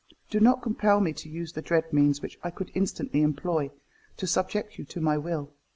Do not compel me to use the dread means, which I could instantly employ, to subject you to my will.